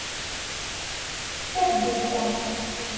D targit kan.